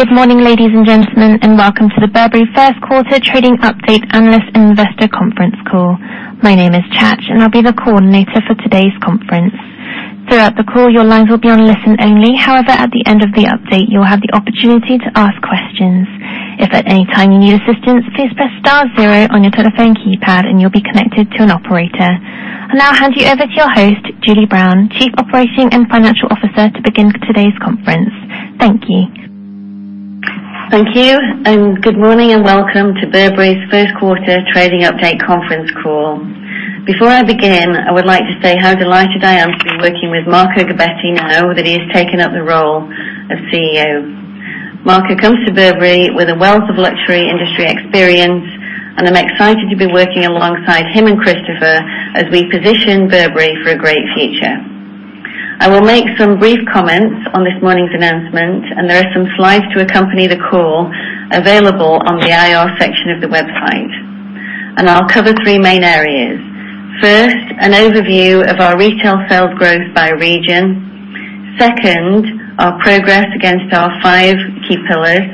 Good morning, ladies and gentlemen, welcome to the Burberry first quarter trading update analyst investor conference call. My name is Chach, I'll be the Coordinator for today's conference. Throughout the call, your lines will be on listen only. However, at the end of the update, you will have the opportunity to ask questions. If at any time you need assistance, please press star zero on your telephone keypad, you'll be connected to an operator. I'll now hand you over to your host, Julie Brown, Chief Operating and Financial Officer, to begin today's conference. Thank you. Thank you, good morning, welcome to Burberry's first quarter trading update conference call. Before I begin, I would like to say how delighted I am to be working with Marco Gobbetti now that he has taken up the role of CEO. Marco comes to Burberry with a wealth of luxury industry experience, I'm excited to be working alongside him and Christopher as we position Burberry for a great future. I will make some brief comments on this morning's announcement, there are some slides to accompany the call available on the IR section of the website. I'll cover 3 main areas. First, an overview of our retail sales growth by region. Second, our progress against our 5 key pillars.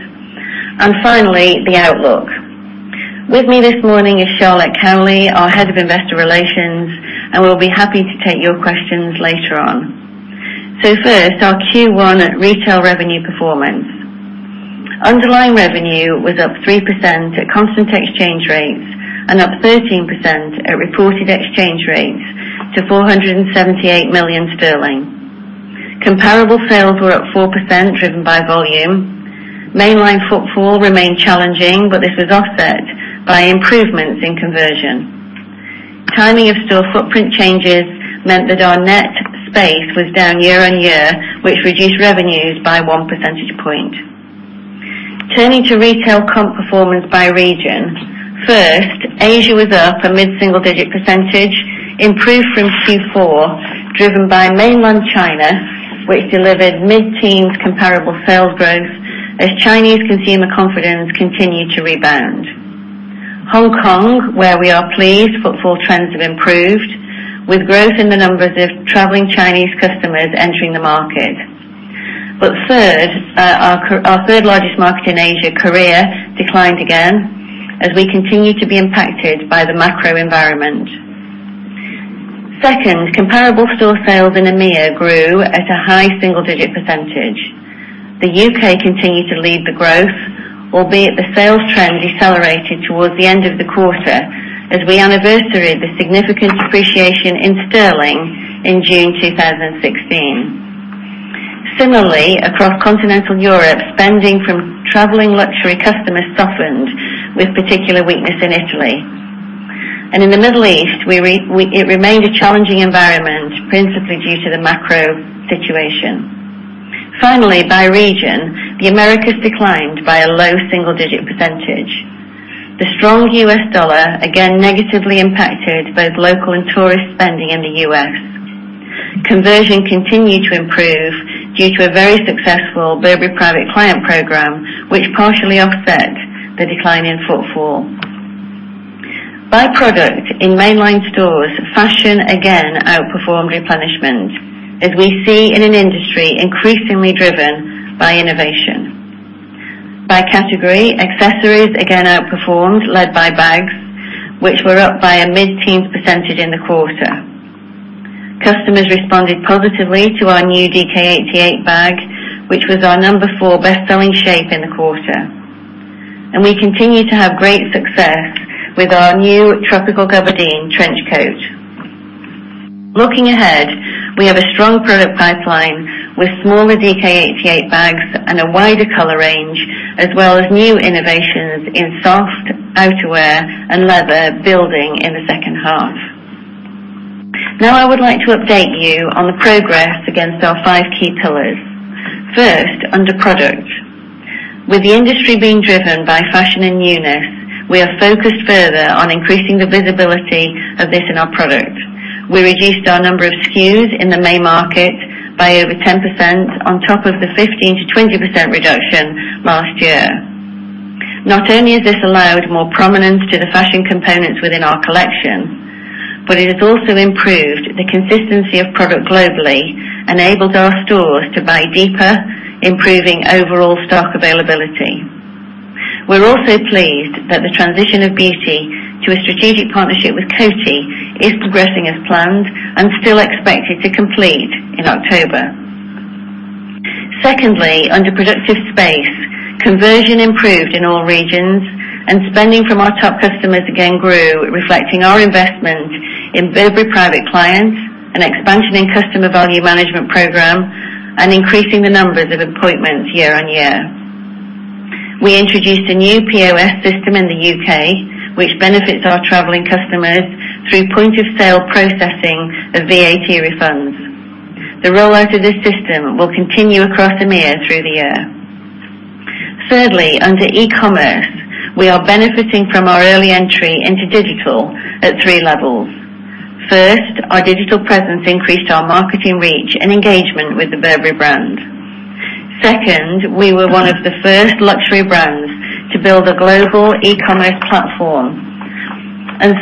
Finally, the outlook. With me this morning is Charlotte Cowley, our Head of Investor Relations, we'll be happy to take your questions later on. Second, our Q1 retail revenue performance. Underlying revenue was up 3% at constant exchange rates and up 13% at reported exchange rates to 478 million sterling. Comparable sales were up 4%, driven by volume. Mainline footfall remained challenging, this was offset by improvements in conversion. Timing of store footprint changes meant that our net space was down year-over-year, which reduced revenues by one percentage point. Turning to retail comp performance by region. First, Asia was up a mid-single digit percentage, improved from Q4, driven by mainland China, which delivered mid-teens comparable sales growth as Chinese consumer confidence continued to rebound. Hong Kong, where we are pleased footfall trends have improved, with growth in the numbers of traveling Chinese customers entering the market. Our third largest market in Asia, Korea, declined again as we continue to be impacted by the macro environment. Second, comparable store sales in EMEA grew at a high single-digit percentage. The U.K. continued to lead the growth, albeit the sales trend decelerated towards the end of the quarter as we anniversaried the significant depreciation in sterling in June 2016. Similarly, across continental Europe, spending from traveling luxury customers softened, with particular weakness in Italy. In the Middle East, it remained a challenging environment, principally due to the macro situation. Finally, by region, the Americas declined by a low single-digit percentage. The strong US dollar again negatively impacted both local and tourist spending in the U.S. Conversion continued to improve due to a very successful Burberry Private Clients program, which partially offset the decline in footfall. By product, in mainline stores, fashion again outperformed replenishment as we see in an industry increasingly driven by innovation. By category, accessories again outperformed, led by bags, which were up by a mid-teens% in the quarter. Customers responded positively to our new DK88 bag, which was our number 4 bestselling shape in the quarter. We continue to have great success with our new Tropical Gabardine trench coat. Looking ahead, we have a strong product pipeline with smaller DK88 bags and a wider color range, as well as new innovations in soft outerwear and leather building in the second half. I would like to update you on the progress against our five key pillars. First, under product. With the industry being driven by fashion and newness, we are focused further on increasing the visibility of this in our product. We reduced our number of SKUs in the main market by over 10% on top of the 15%-20% reduction last year. Not only has this allowed more prominence to the fashion components within our collection, but it has also improved the consistency of product globally, enabled our stores to buy deeper, improving overall stock availability. We are also pleased that the transition of beauty to a strategic partnership with Coty is progressing as planned and still expected to complete in October. Secondly, under productive space. Conversion improved in all regions, and spending from our top customers again grew, reflecting our investment in Burberry Private Clients, an expansion in Customer Value Management program, and increasing the numbers of appointments year-over-year. We introduced a new POS system in the U.K., which benefits our traveling customers through point-of-sale processing of VAT refunds. The rollout of this system will continue across EMEA through the year. Thirdly, under e-commerce, we are benefiting from our early entry into digital at 3 levels. First, our digital presence increased our marketing reach and engagement with the Burberry brand. Second, we were one of the first luxury brands to build a global e-commerce platform.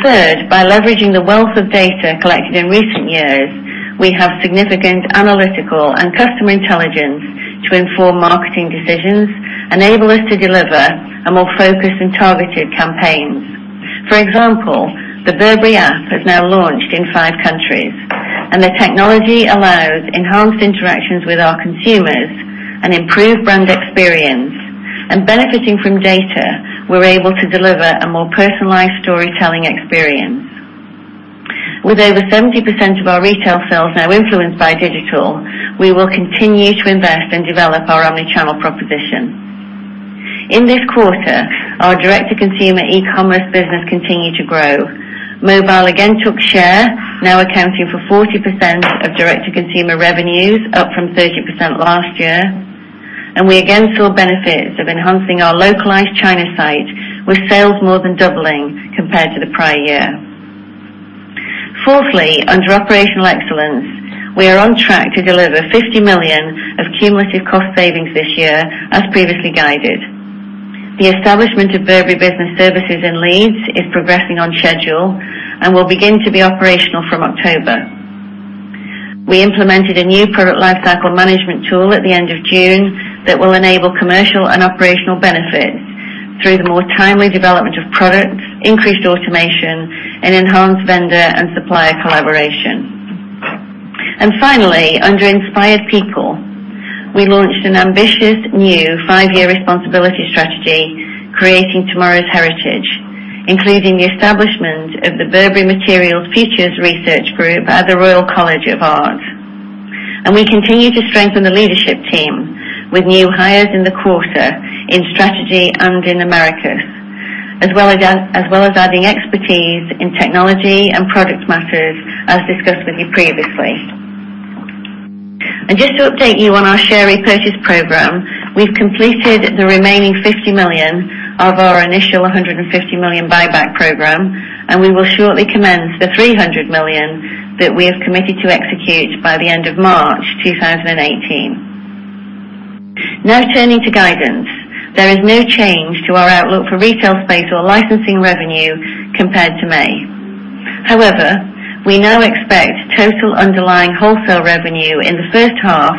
Third, by leveraging the wealth of data collected in recent years, we have significant analytical and customer intelligence to inform marketing decisions, enable us to deliver a more focused and targeted campaign. For example, the Burberry app has now launched in five countries, and the technology allows enhanced interactions with our consumers and improved brand experience. Benefiting from data, we are able to deliver a more personalized storytelling experience. With over 70% of our retail sales now influenced by digital, we will continue to invest and develop our omni-channel proposition. In this quarter, our direct-to-consumer e-commerce business continued to grow. Mobile again took share, now accounting for 40% of direct-to-consumer revenues, up from 30% last year. We again saw benefits of enhancing our localized China site, with sales more than doubling compared to the prior year. Fourthly, under operational excellence, we are on track to deliver 50 million of cumulative cost savings this year, as previously guided. The establishment of Burberry Business Services in Leeds is progressing on schedule and will begin to be operational from October. We implemented a new product lifecycle management tool at the end of June that will enable commercial and operational benefits through the more timely development of products, increased automation, and enhanced vendor and supplier collaboration. Finally, under inspired people, we launched an ambitious new five-year responsibility strategy, Creating Tomorrow's Heritage, including the establishment of the Burberry Material Futures Research Group at the Royal College of Art. We continue to strengthen the leadership team with new hires in the quarter in strategy and in Americas, as well as adding expertise in technology and product matters, as discussed with you previously. Just to update you on our share repurchase program, we have completed the remaining 50 million of our initial 150 million buyback program, and we will shortly commence the 300 million that we have committed to execute by the end of March 2018. Turning to guidance. There is no change to our outlook for retail space or licensing revenue compared to May. However, we now expect total underlying wholesale revenue in the first half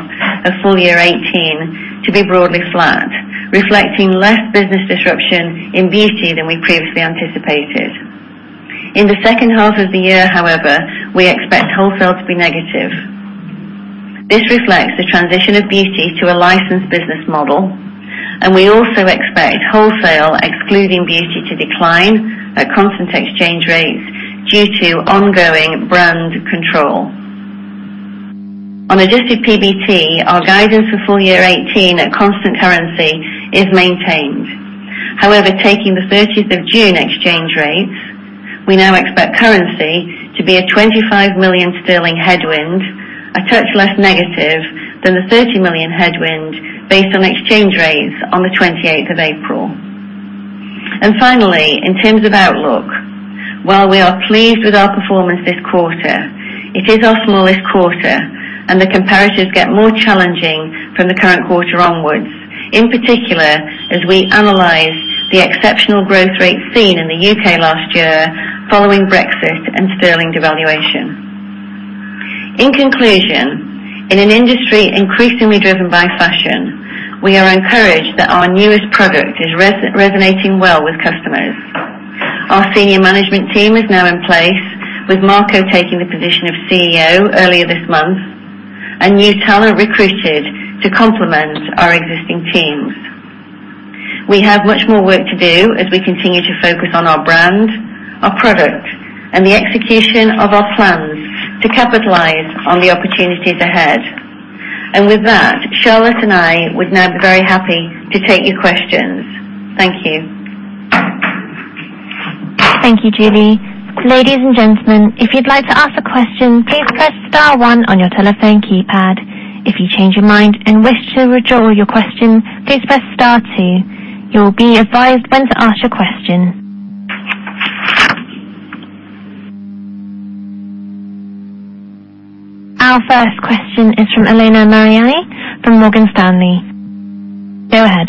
of full year 2018 to be broadly flat, reflecting less business disruption in beauty than we previously anticipated. In the second half of the year, however, we expect wholesale to be negative. This reflects the transition of beauty to a licensed business model. We also expect wholesale, excluding beauty, to decline at constant exchange rates due to ongoing brand control. On adjusted PBT, our guidance for full year 2018 at constant currency is maintained. However, taking the 30th of June exchange rates, we now expect currency to be a 25 million sterling headwind, a touch less negative than the 30 million headwind based on exchange rates on the 28th of April. Finally, in terms of outlook, while we are pleased with our performance this quarter, it is our smallest quarter, and the comparatives get more challenging from the current quarter onwards. In particular, as we analyze the exceptional growth rates seen in the U.K. last year following Brexit and sterling devaluation. In conclusion, in an industry increasingly driven by fashion, we are encouraged that our newest product is resonating well with customers. Our senior management team is now in place, with Marco taking the position of CEO earlier this month, and new talent recruited to complement our existing teams. We have much more work to do as we continue to focus on our brand, our product, and the execution of our plans to capitalize on the opportunities ahead. With that, Charlotte and I would now be very happy to take your questions. Thank you. Thank you, Julie. Ladies and gentlemen, if you would like to ask a question, please press star one on your telephone keypad. If you change your mind and wish to withdraw your question, please press star two. You will be advised when to ask your question. Our first question is from Elena Mariani from Morgan Stanley. Go ahead.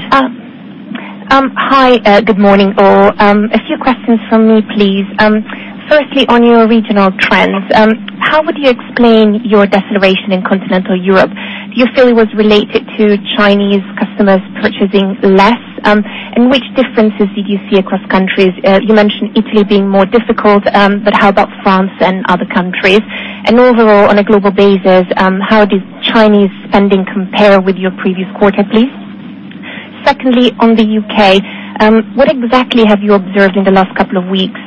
Hi. Good morning, all. A few questions from me, please. Firstly, on your regional trends, how would you explain your deceleration in continental Europe? Do you feel it was related to Chinese customers purchasing less? Which differences did you see across countries? You mentioned Italy being more difficult, but how about France and other countries? Overall, on a global basis, how did Chinese spending compare with your previous quarter, please? Secondly, on the U.K., what exactly have you observed in the last couple of weeks?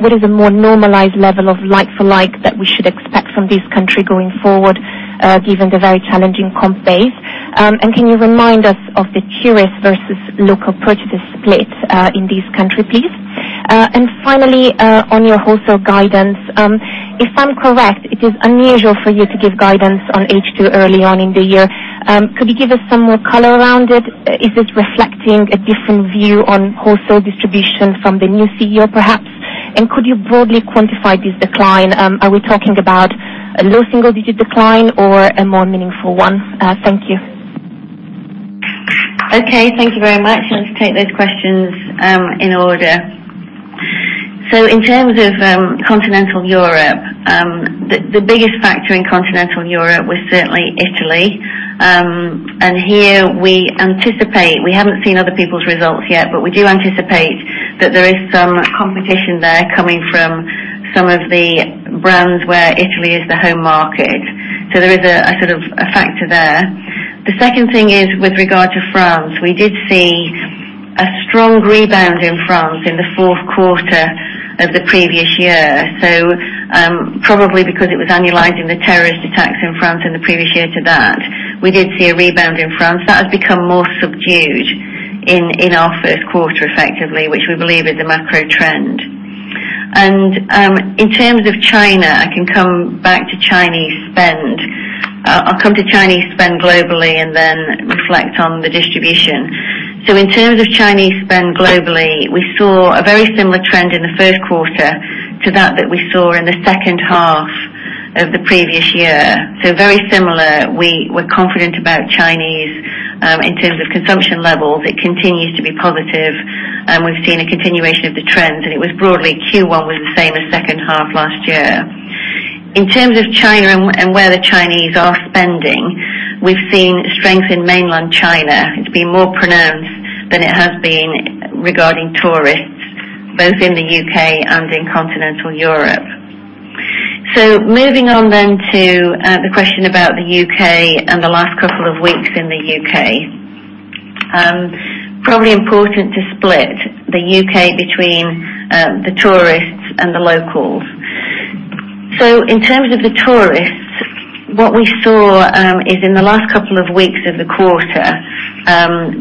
What is a more normalized level of LFL that we should expect from this country going forward, given the very challenging comp base? Can you remind us of the tourist versus local purchase split in this country, please? Finally, on your wholesale guidance, if I'm correct, it is unusual for you to give guidance on H2 early on in the year. Could you give us some more color around it? Is this reflecting a different view on wholesale distribution from the new CEO, perhaps? Could you broadly quantify this decline? Are we talking about a low single-digit decline or a more meaningful one? Thank you. Okay, thank you very much. I'll just take those questions in order. In terms of Continental Europe, the biggest factor in Continental Europe was certainly Italy. Here we anticipate, we haven't seen other people's results yet, but we do anticipate that there is some competition there coming from some of the brands where Italy is the home market. There is a sort of a factor there. The second thing is with regard to France. We did see a strong rebound in France in the fourth quarter of the previous year. Probably because it was annualizing the terrorist attacks in France in the previous year to that, we did see a rebound in France. That has become more subdued in our first quarter, effectively, which we believe is a macro trend. In terms of China, I can come back to Chinese spend. I'll come to Chinese spend globally and then reflect on the distribution. In terms of Chinese spend globally, we saw a very similar trend in the first quarter to that which we saw in the second half of the previous year. Very similar. We're confident about Chinese in terms of consumption levels. It continues to be positive, and we've seen a continuation of the trends, and it was broadly Q1 was the same as second half last year. In terms of China and where the Chinese are spending, we've seen strength in mainland China. It's been more pronounced than it has been regarding tourists, both in the U.K. and in continental Europe. Moving on then to the question about the U.K. and the last couple of weeks in the U.K. Probably important to split the U.K. between the tourists and the locals. In terms of the tourists, what we saw is in the last couple of weeks of the quarter,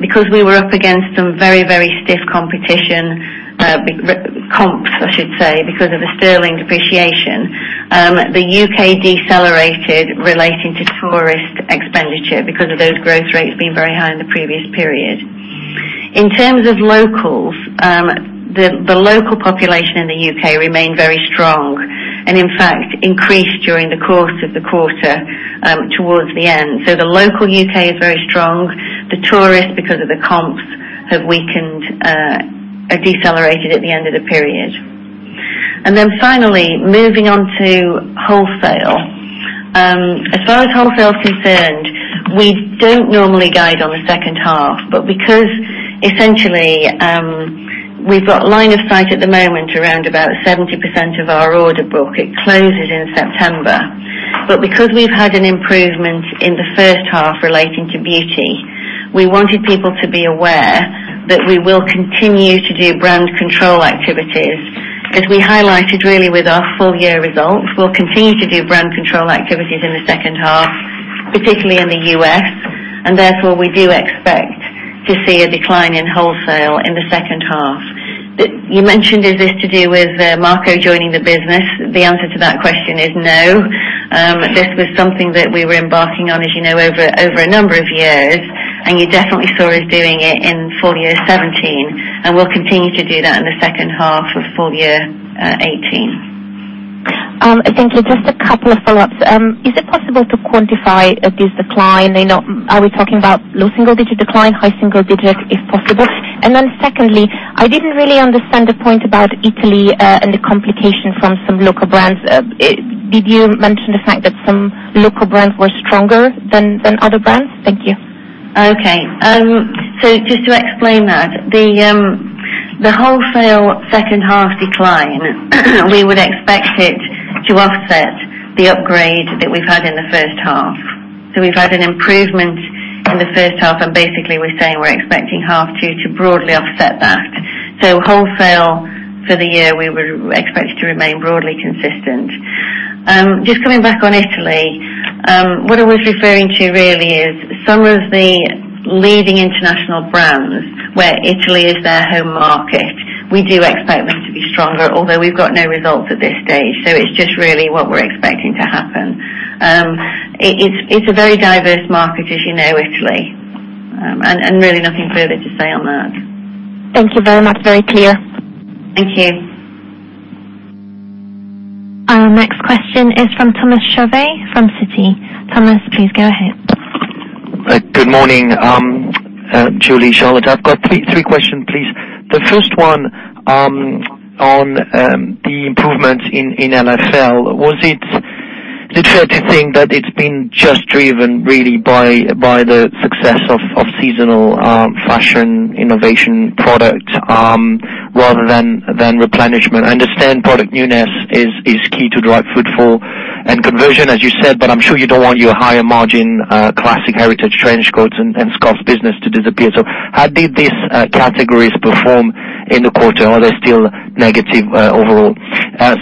because we were up against some very, very stiff competition, comps, I should say, because of the sterling depreciation, the U.K. decelerated relating to tourist expenditure because of those growth rates being very high in the previous period. In terms of locals, the local population in the U.K. remained very strong, and in fact, increased during the course of the quarter towards the end. The local U.K. is very strong. The tourists, because of the comps, have weakened or decelerated at the end of the period. Finally, moving on to wholesale. As far as wholesale is concerned, we don't normally guide on the second half. Because essentially, we've got line of sight at the moment around about 70% of our order book. It closes in September. Because we've had an improvement in the first half relating to beauty, we wanted people to be aware that we will continue to do brand control activities. As we highlighted really with our full year results, we'll continue to do brand control activities in the second half, particularly in the U.S., and therefore, we do expect to see a decline in wholesale in the second half. You mentioned, is this to do with Marco joining the business? The answer to that question is no. This was something that we were embarking on, as you know, over a number of years, and you definitely saw us doing it in full year 2017, and we'll continue to do that in the second half of full year 2018. Thank you. Just a couple of follow-ups. Is it possible to quantify this decline? Are we talking about low single-digit decline, high single digits, if possible? Secondly, I didn't really understand the point about Italy and the complication from some local brands. Did you mention the fact that some local brands were stronger than other brands? Thank you. Just to explain that. The wholesale second half decline we would expect it to offset the upgrade that we've had in the first half. We've had an improvement in the first half, and basically, we're saying we're expecting half two to broadly offset that. Wholesale for the year, we would expect to remain broadly consistent. Just coming back on Italy. What I was referring to really is some of the leading international brands where Italy is their home market. We do expect them to be stronger, although we've got no results at this stage. It's just really what we're expecting to happen. It's a very diverse market, as you know, Italy. Really nothing further to say on that. Thank you very much. Very clear. Thank you. Our next question is from Thomas Chauvet from Citi. Thomas, please go ahead. Good morning Julie, Charlotte. I've got three questions, please. The first one on the improvements in LFL. Is it fair to think that it's been just driven really by the success of seasonal fashion innovation product rather than replenishment? I understand product newness is key to drive footfall and conversion, as you said, but I'm sure you don't want your higher margin classic heritage trench coats and scarves business to disappear. How did these categories perform in the quarter? Are they still negative overall?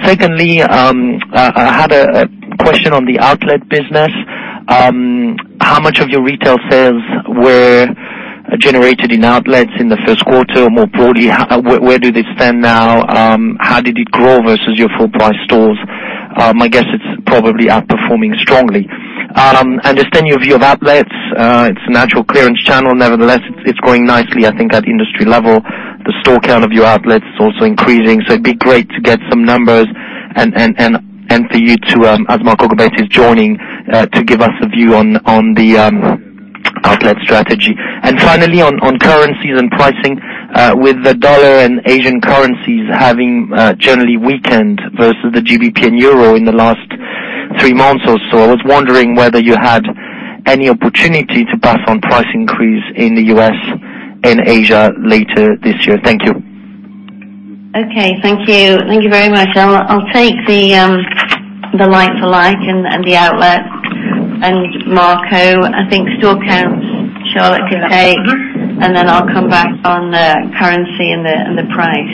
Secondly, I had a question on the outlet business. How much of your retail sales were generated in outlets in the first quarter? More broadly, where do they stand now? How did it grow versus your full price stores? My guess it's probably outperforming strongly. I understand your view of outlets. It's a natural clearance channel. Nevertheless, it's growing nicely, I think, at the industry level. The store count of your outlets is also increasing, so it'd be great to get some numbers and for you to, as Marco Gobbetti is joining, to give us a view on the outlet strategy. Finally, on currencies and pricing, with the dollar and Asian currencies having generally weakened versus the GBP and EUR in the last three months or so, I was wondering whether you had any opportunity to pass on price increase in the U.S. and Asia later this year. Thank you. Okay. Thank you. Thank you very much. I'll take the like for like and the outlet and Marco. I think store counts, Charlotte can take, and then I'll come back on the currency and the price.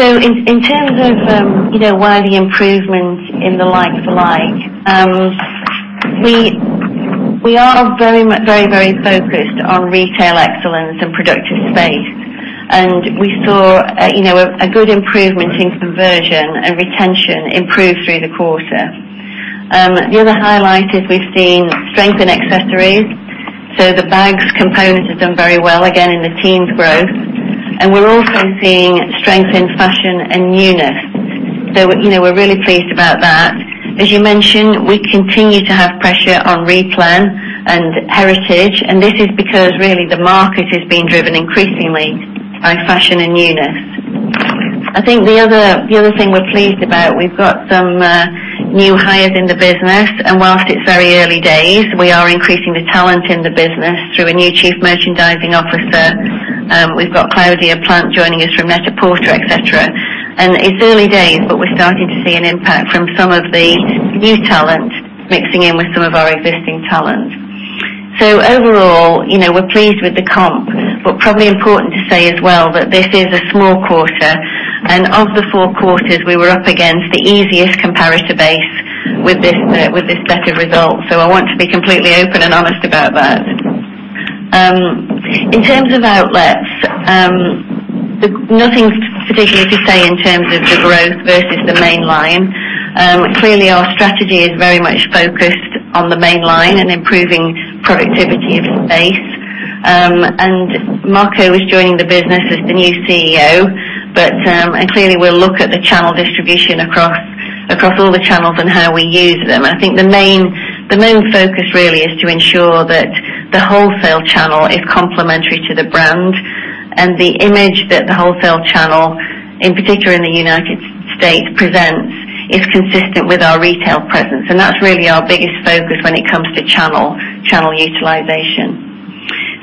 In terms of one of the improvements in the like for like, we are very focused on retail excellence and productive space. We saw a good improvement in conversion and retention improve through the quarter. The other highlight is we've seen strength in accessories. The bags component has done very well, again, in the teens growth. We're also seeing strength in fashion and newness. We're really pleased about that. As you mentioned, we continue to have pressure on replenishment and heritage, and this is because really the market is being driven increasingly by fashion and newness. I think the other thing we're pleased about, we've got some new hires in the business, and whilst it's very early days, we are increasing the talent in the business through a new chief merchandising officer. We've got Claudia Plant joining us from NET-A-PORTER, et cetera. It's early days, but we're starting to see an impact from some of the new talent mixing in with some of our existing talent. Overall, we're pleased with the comp, but probably important to say as well that this is a small quarter, and of the four quarters we were up against, the easiest comparator base with this set of results. I want to be completely open and honest about that. In terms of outlets, nothing particularly to say in terms of the growth versus the main line. Clearly, our strategy is very much focused on the main line and improving productivity of space. Marco is joining the business as the new CEO, and clearly we'll look at the channel distribution across all the channels and how we use them. I think the main focus really is to ensure that the wholesale channel is complementary to the brand. The image that the wholesale channel, in particular in the United States presents, is consistent with our retail presence. That's really our biggest focus when it comes to channel utilization.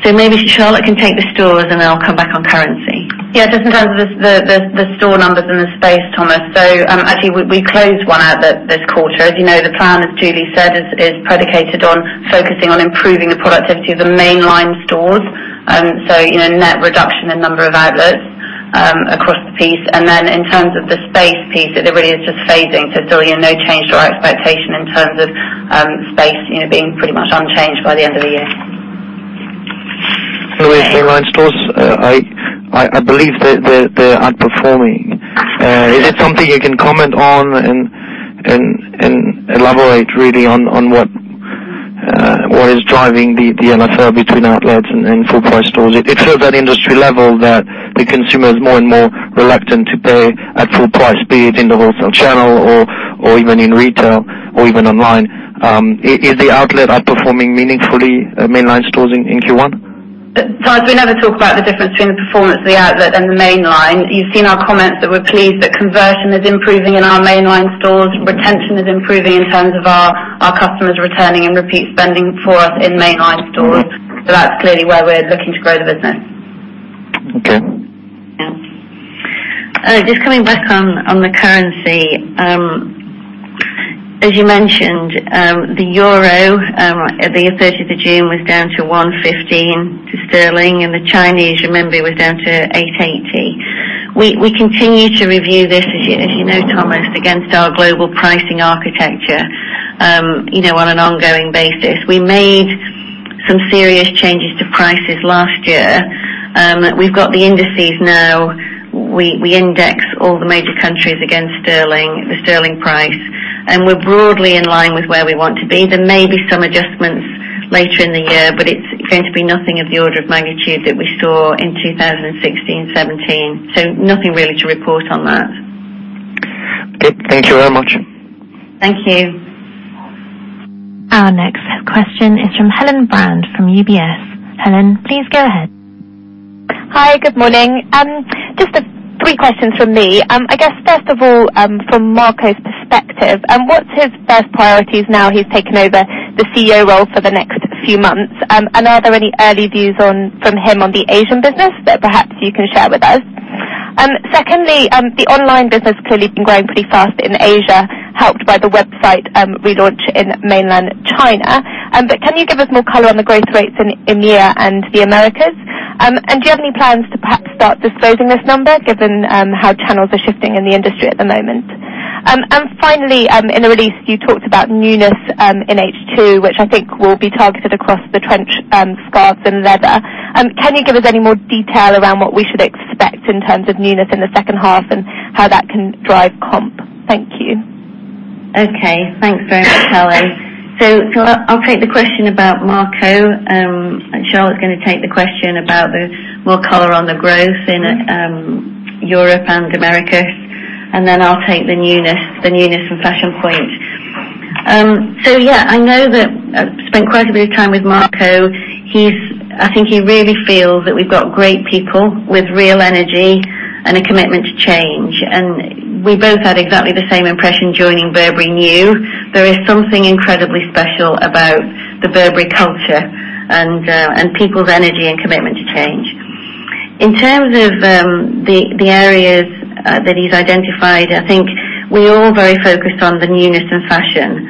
Maybe Charlotte can take the stores, and then I'll come back on currency. Just in terms of the store numbers and the space, Thomas. Actually we closed one out this quarter. As you know, the plan, as Julie said, is predicated on focusing on improving the productivity of the mainline stores. Net reduction in number of outlets across the piece. Then in terms of the space piece, it really is just phasing. There'll be no change to our expectation in terms of space being pretty much unchanged by the end of the year. Mainline stores, I believe they're outperforming. Is it something you can comment on and elaborate really on what is driving the LFL between outlets and full price stores? It feels at industry level that the consumer is more and more reluctant to pay at full price, be it in the wholesale channel or even in retail or even online. Is the outlet outperforming meaningfully mainline stores in Q1? Thomas, we never talk about the difference between the performance of the outlet and the mainline. You've seen our comments that we're pleased that conversion is improving in our mainline stores. Retention is improving in terms of our customers returning and repeat spending for us in mainline stores. That's clearly where we're looking to grow the business. Okay. Just coming back on the currency. As you mentioned, the EUR at the 30th of June was down to 115 to GBP, and the CNY was down to 880. We continue to review this, as you know, Thomas, against our global pricing architecture on an ongoing basis. We made some serious changes to prices last year. We've got the indices now. We index all the major countries against the GBP price, and we're broadly in line with where we want to be. There may be some adjustments later in the year, but it's going to be nothing of the order of magnitude that we saw in 2016-2017. Nothing really to report on that. Okay. Thank you very much. Thank you. Our next question is from Helen Brand, from UBS. Helen, please go ahead. Hi. Good morning. Just three questions from me. I guess first of all, from Marco's perspective, what's his first priorities now he's taken over the CEO role for the next few months? Are there any early views from him on the Asian business that perhaps you can share with us? Secondly, the online business clearly has been growing pretty fast in Asia, helped by the website relaunch in mainland China. Can you give us more color on the growth rates in EMEA and the Americas? Do you have any plans to perhaps start disclosing this number given how channels are shifting in the industry at the moment? Finally, in the release you talked about newness in H2, which I think will be targeted across the trench, scarves, and leather. Can you give us any more detail around what we should expect in terms of newness in the second half and how that can drive comp? Thank you. Okay. Thanks very much, Helen. I'll take the question about Marco, Charlotte's going to take the question about more color on the growth in Europe and Americas, I'll take the newness in fashion point. I know that I've spent quite a bit of time with Marco. I think he really feels that we've got great people with real energy and a commitment to change, we both had exactly the same impression joining Burberry New. There is something incredibly special about the Burberry culture and people's energy and commitment to change. In terms of the areas that he's identified, I think we're all very focused on the newness and fashion,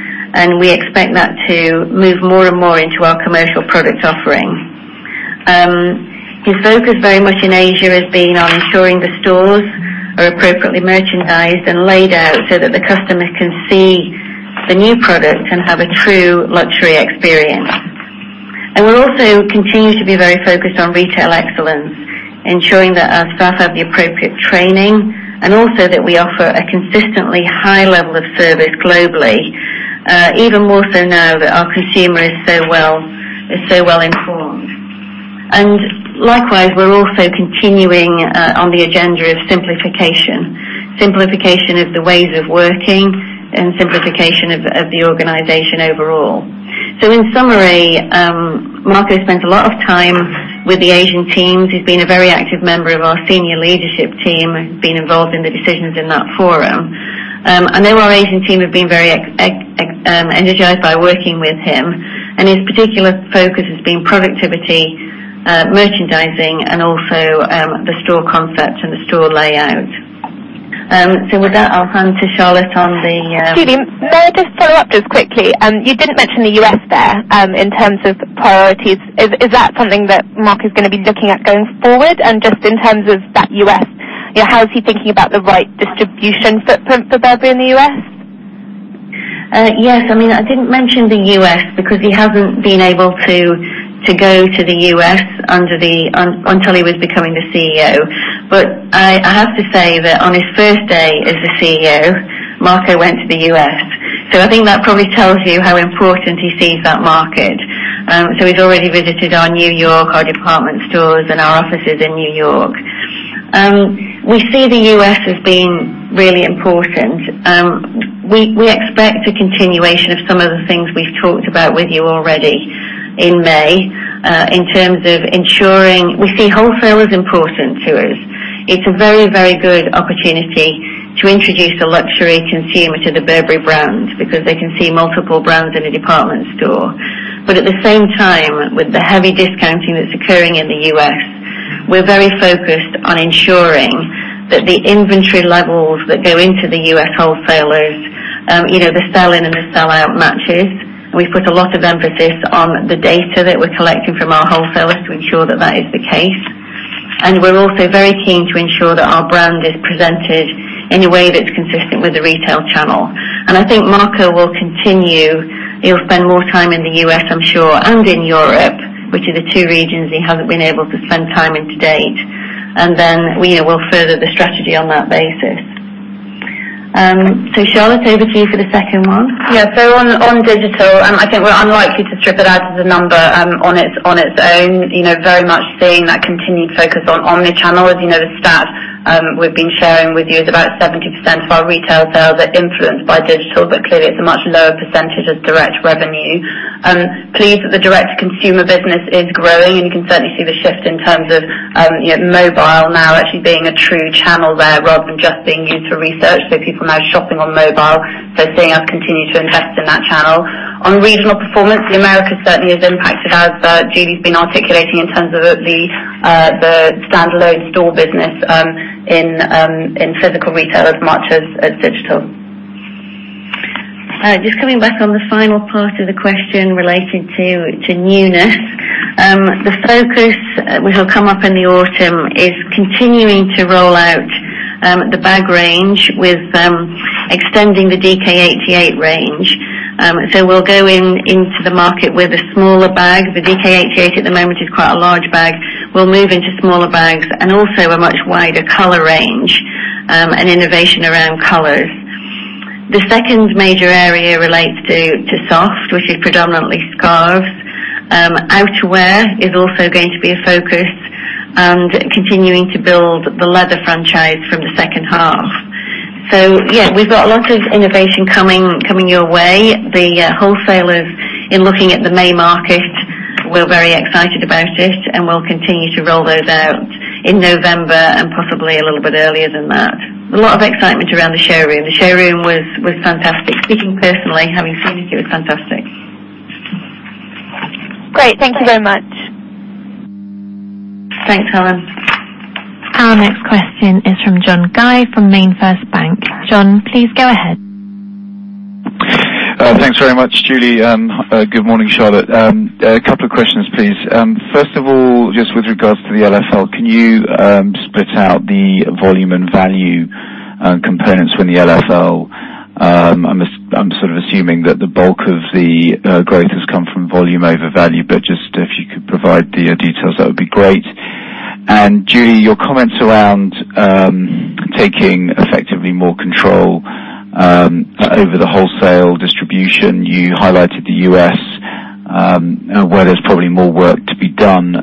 we expect that to move more and more into our commercial product offering. His focus very much in Asia has been on ensuring the stores are appropriately merchandised and laid out so that the customers can see the new products and have a true luxury experience. We'll also continue to be very focused on retail excellence, ensuring that our staff have the appropriate training and also that we offer a consistently high level of service globally, even more so now that our consumer is so well-informed. Likewise, we're also continuing on the agenda of simplification. Simplification of the ways of working and simplification of the organization overall. In summary, Marco spent a lot of time with the Asian teams. He's been a very active member of our senior leadership team, been involved in the decisions in that forum. I know our Asian team have been very energized by working with him, his particular focus has been productivity, merchandising, the store concept and the store layout. With that, I'll hand to Charlotte on the- Excuse me. May I just follow up just quickly? You didn't mention the U.S. there in terms of priorities. Is that something that Marco's going to be looking at going forward? Just in terms of that U.S., how is he thinking about the right distribution footprint for Burberry in the U.S.? Yes. I didn't mention the U.S. because he hasn't been able to go to the U.S. until he was becoming the CEO. I have to say that on his first day as the CEO, Marco went to the U.S. I think that probably tells you how important he sees that market. He's already visited our New York, our department stores, and our offices in New York. We see the U.S. as being really important. We expect a continuation of some of the things we've talked about with you already in May, in terms of ensuring we see wholesalers important to us. It's a very, very good opportunity to introduce a luxury consumer to the Burberry brand because they can see multiple brands in a department store. At the same time, with the heavy discounting that's occurring in the U.S., we're very focused on ensuring that the inventory levels that go into the U.S. wholesalers, the sell in and the sell out matches. We put a lot of emphasis on the data that we're collecting from our wholesalers to ensure that that is the case. We're also very keen to ensure that our brand is presented in a way that's consistent with the retail channel. I think Marco will continue. He'll spend more time in the U.S., I'm sure, and in Europe, which are the two regions he hasn't been able to spend time in to date. Then we will further the strategy on that basis. Charlotte, over to you for the second one. Yeah. On digital, I think we're unlikely to strip it out as a number on its own. Very much seeing that continued focus on omni-channel. As you know, the stat we've been sharing with you is about 70% of our retail sales are influenced by digital, but clearly, it's a much lower percentage of direct revenue. Pleased that the direct consumer business is growing, and you can certainly see the shift in terms of mobile now actually being a true channel there rather than just being used for research. People are now shopping on mobile. Seeing us continue to invest in that channel. On regional performance, the Americas certainly is impacted as Julie's been articulating in terms of the standalone store business in physical retail as much as digital. Just coming back on the final part of the question related to newness. The focus, which will come up in the autumn, is continuing to roll out the bag range with extending the DK88 range. We'll go into the market with a smaller bag. The DK88 at the moment is quite a large bag. We'll move into smaller bags and also a much wider color range, and innovation around colors. The second major area relates to soft, which is predominantly scarves. Outerwear is also going to be a focus and continuing to build the leather franchise from the second half. Yeah, we've got a lot of innovation coming your way. The wholesalers in looking at the May market, we're very excited about it, and we'll continue to roll those out in November and possibly a little bit earlier than that. A lot of excitement around the showroom. The showroom was fantastic. Speaking personally, having seen it was fantastic. Great. Thank you very much. Thanks, Helen. Our next question is from John Guy from MainFirst Bank. John, please go ahead. Thanks very much, Julie. Good morning, Charlotte. A couple of questions, please. First of all, just with regards to the LFL, can you split out the volume and value components from the LFL? I'm sort of assuming that the bulk of the growth has come from volume over value, but just if you could provide the details, that would be great. Julie, your comments around taking effectively more control over the wholesale distribution. You highlighted the U.S., where there's probably more work to be done.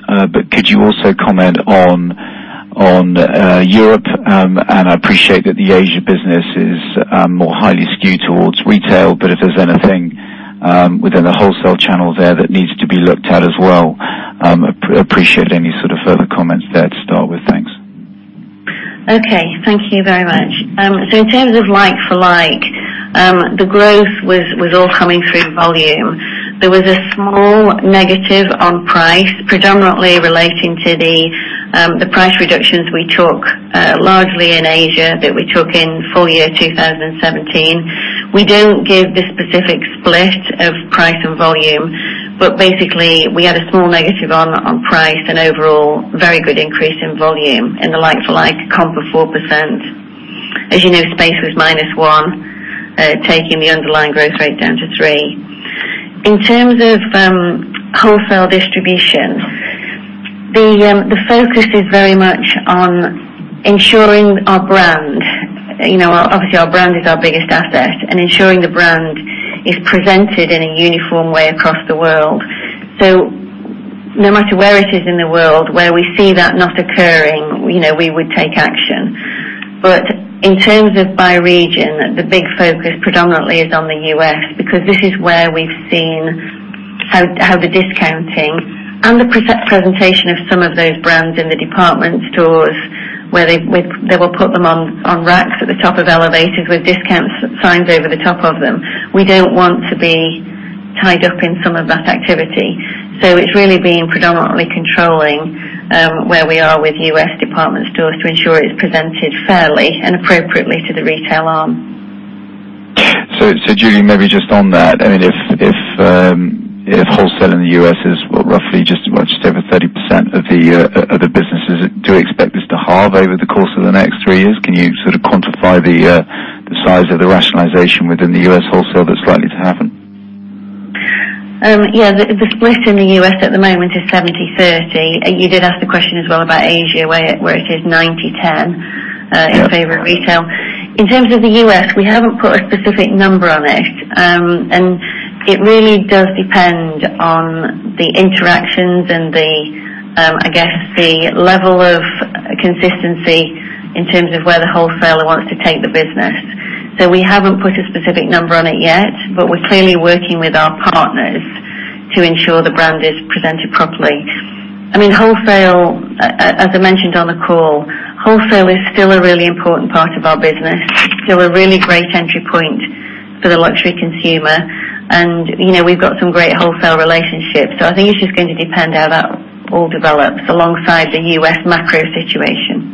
Could you also comment on Europe? I appreciate that the Asia business is more highly skewed towards retail, but if there's anything within the wholesale channel there that needs to be looked at as well, appreciate any sort of further comments there to start with. Thanks. Okay. Thank you very much. In terms of like-for-like, the growth was all coming through volume. There was a small negative on price, predominantly relating to the price reductions we took largely in Asia, that we took in full year 2017. We don't give the specific split of price and volume, but basically, we had a small negative on price and overall very good increase in volume in the like-for-like comp of 4%. As you know, space was minus one, taking the underlying growth rate down to three. In terms of wholesale distribution, the focus is very much on ensuring our brand. Obviously, our brand is our biggest asset, and ensuring the brand is presented in a uniform way across the world. No matter where it is in the world, where we see that not occurring, we would take action. In terms of by region, the big focus predominantly is on the U.S., because this is where we've seen how the discounting and the presentation of some of those brands in the department stores, where they will put them on racks at the top of elevators with discount signs over the top of them. We don't want to be tied up in some of that activity. It's really been predominantly controlling where we are with U.S. department stores to ensure it's presented fairly and appropriately to the retail arm. Julie, maybe just on that, if wholesale in the U.S. is, what, roughly just over 30% of the other businesses, do we expect this to halve over the course of the next three years? Can you sort of quantify the size of the rationalization within the U.S. wholesale that's likely to happen? Yeah. The split in the U.S. at the moment is 70/30. You did ask the question as well about Asia, where it is 90/10 in favor of retail. In terms of the U.S., we haven't put a specific number on it. It really does depend on the interactions and the level of consistency in terms of where the wholesaler wants to take the business. We haven't put a specific number on it yet, but we're clearly working with our partners to ensure the brand is presented properly. Wholesale, as I mentioned on the call, wholesale is still a really important part of our business. Still a really great entry point for the luxury consumer, and we've got some great wholesale relationships. I think it's just going to depend how that all develops alongside the U.S. macro situation.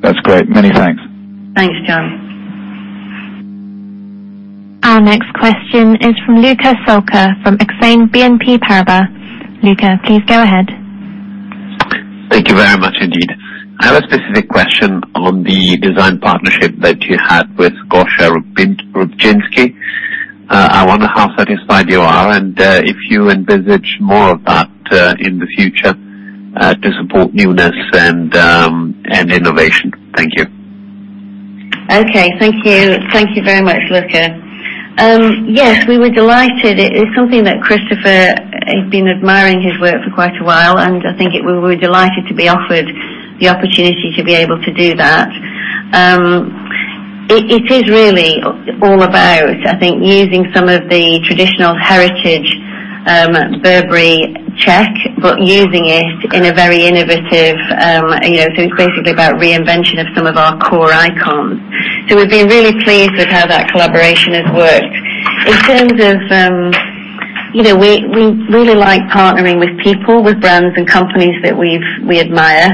That's great. Many thanks. Thanks, John. Our next question is from Luca Solca from Exane BNP Paribas. Luca, please go ahead. Thank you very much indeed. I have a specific question on the design partnership that you had with Gosha Rubchinskiy. I wonder how satisfied you are, and if you envisage more of that in the future to support newness and innovation. Thank you. Okay. Thank you. Thank you very much, Luca. We were delighted. It is something that Christopher had been admiring his work for quite a while, and I think we were delighted to be offered the opportunity to be able to do that. It is really all about, I think, using some of the traditional heritage Burberry check, but using it in a very innovative. It's basically about reinvention of some of our core icons. We've been really pleased with how that collaboration has worked. In terms of, we really like partnering with people, with brands and companies that we admire,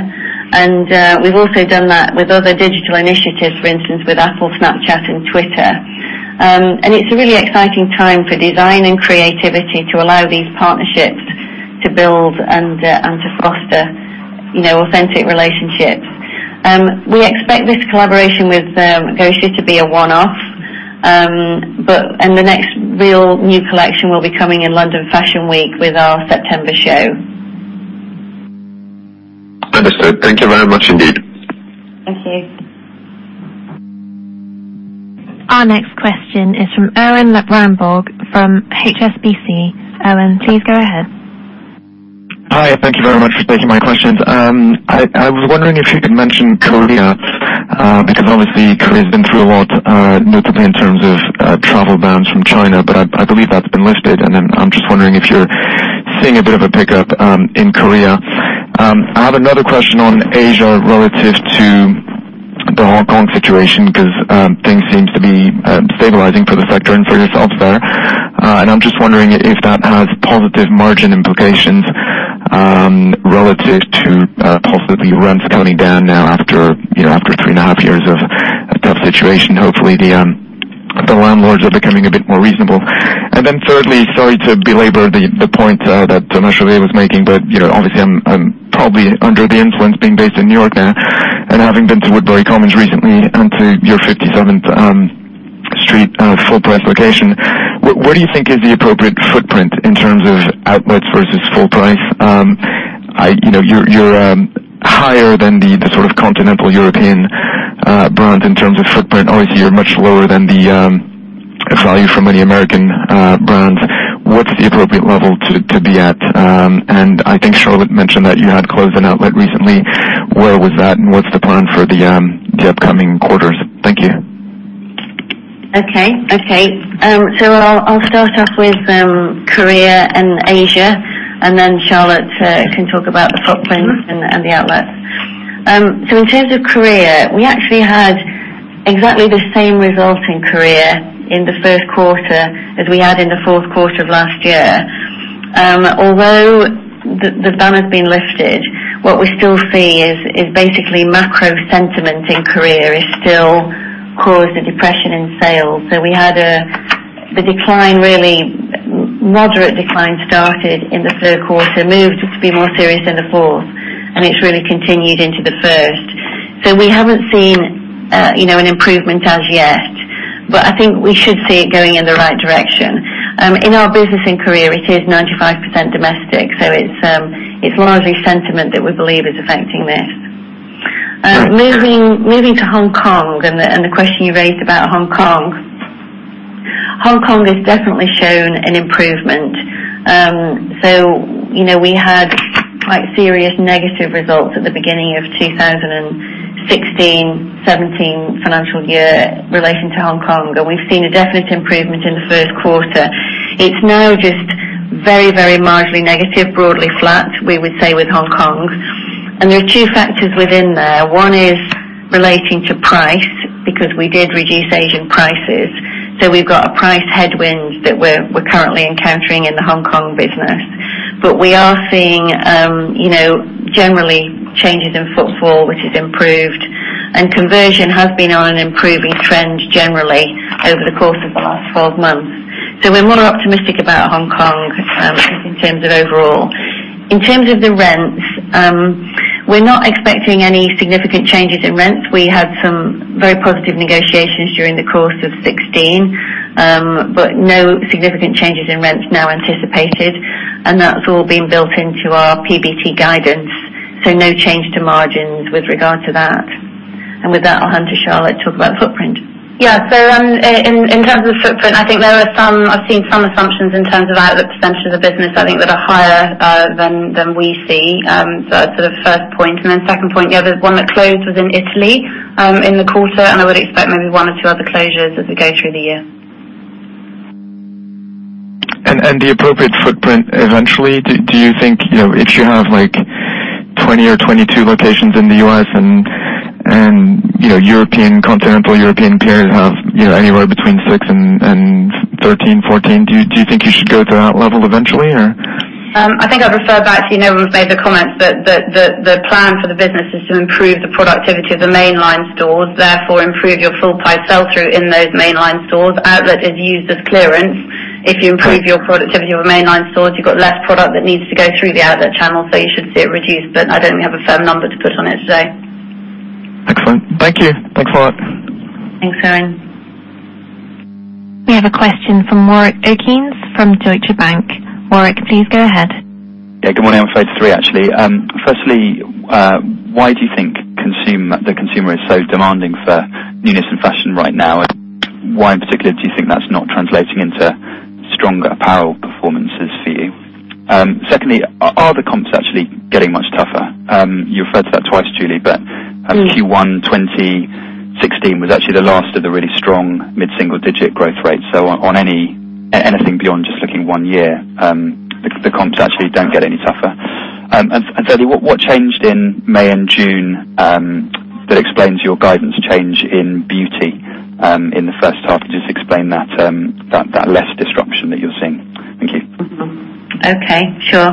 and we've also done that with other digital initiatives, for instance, with Apple, Snapchat and Twitter. It's a really exciting time for design and creativity to allow these partnerships to build and to foster authentic relationships. We expect this collaboration with Gosha to be a one-off. The next real new collection will be coming in London Fashion Week with our September show. Understood. Thank you very much indeed. Thank you. Our next question is from Erwan Rambourg from HSBC. Erwan, please go ahead. Hi. Thank you very much for taking my questions. I was wondering if you could mention Korea, because obviously Korea has been through a lot, notably in terms of travel bans from China, but I believe that's been lifted. I'm just wondering if you're seeing a bit of a pickup in Korea. I have another question on Asia relative to the Hong Kong situation, because things seems to be stabilizing for the sector and for yourselves there. I'm just wondering if that has positive margin implications relative to possibly rents coming down now after three and a half years of a tough situation. Hopefully the landlords are becoming a bit more reasonable. Thirdly, sorry to belabor the point that Thomas Chauvet was making, but obviously I'm probably under the influence being based in New York now and having been to Woodbury Common recently and to your 57th Street full price location. What do you think is the appropriate footprint in terms of outlets versus full price? You're higher than the continental European brands in terms of footprint. Obviously, you're much lower than the value for many American brands. What's the appropriate level to be at? I think Charlotte mentioned that you had closed an outlet recently. Where was that, and what's the plan for the upcoming quarters? Thank you. Okay. I'll start off with Korea and Asia, Charlotte can talk about the footprint and the outlets. In terms of Korea, we actually had exactly the same result in Korea in the first quarter as we had in the fourth quarter of last year. Although the ban has been lifted, what we still see is basically macro sentiment in Korea is still causing depression in sales. We had the decline, really moderate decline, started in the third quarter, moved to be more serious in the fourth, and it's really continued into the first. We haven't seen an improvement as yet, but I think we should see it going in the right direction. In our business in Korea, it is 95% domestic, so it's largely sentiment that we believe is affecting this. Right. Moving to Hong Kong, the question you raised about Hong Kong. Hong Kong has definitely shown an improvement. We had quite serious negative results at the beginning of 2016, 2017 financial year relating to Hong Kong, and we've seen a definite improvement in the first quarter. It's now just very marginally negative, broadly flat, we would say, with Hong Kong. There are two factors within there. One is relating to price, because we did reduce Asian prices. We've got a price headwind that we're currently encountering in the Hong Kong business. But we are seeing generally changes in footfall, which has improved, and conversion has been on an improving trend generally over the course of the last 12 months. We're more optimistic about Hong Kong in terms of overall. In terms of the rents, we're not expecting any significant changes in rents. We had some very positive negotiations during the course of 2016. No significant changes in rents now anticipated, and that's all been built into our PBT guidance. No change to margins with regard to that. With that, I'll hand to Charlotte to talk about footprint. In terms of footprint, I think I've seen some assumptions in terms of outlet percentage of the business, I think that are higher than we see. That's the first point. Second point, the one that closed was in Italy in the quarter, and I would expect maybe one or two other closures as we go through the year. The appropriate footprint eventually, do you think if you have 20 or 22 locations in the U.S. and continental European peers have anywhere between 6 and 13-14, do you think you should go to that level eventually? I think I'd refer back to you know we've made the comments that the plan for the business is to improve the productivity of the mainline stores, therefore improve your full price sell-through in those mainline stores. Outlet is used as clearance. If you improve your productivity with mainline stores, you've got less product that needs to go through the outlet channel, you should see it reduced, but I don't have a firm number to put on it today. Excellent. Thank you. Thanks a lot. Thanks, Erwan. We have a question from Warwick Okines from Deutsche Bank. Warwick, please go ahead. Yeah, good morning. I am on three, actually. Firstly, why do you think the consumer is so demanding for newness in fashion right now? Why, in particular, do you think that is not translating into stronger apparel performances for you? Secondly, are the comps actually getting much tougher? You referred to that twice, Julie, but Q1 2016 was actually the last of the really strong mid-single-digit growth rates. On anything beyond just looking one year, the comps actually do not get any tougher. Thirdly, what changed in May and June that explains your guidance change in beauty in the first half? Just explain that less disruption that you are seeing. Thank you. Okay. Sure.